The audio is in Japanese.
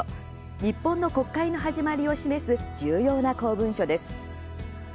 日本の国会の始まりを示す重要な公文書です。